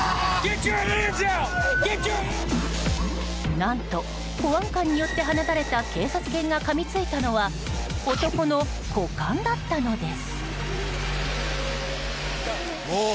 何と、保安官によって放たれた警察犬がかみ付いたのは男の股間だったのです。